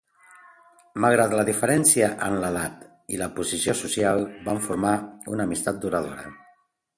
Malgrat la diferència en l'edat i la posició social, van formar una amistat duradora.